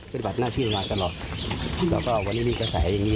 ปฏิบัติหน้าที่มาตลอดแล้วก็วันนี้มีกระแสอย่างนี้